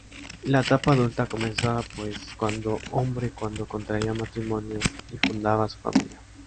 La etapa adulta comenzaba pues, cuando hombre cuando contraía matrimonio y fundaba su familia.